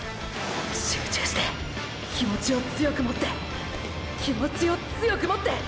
集中して気持ちを強くもって気持ちを強くもって！！